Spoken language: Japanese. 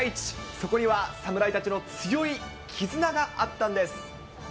そこには、侍たちの強い絆があったんです。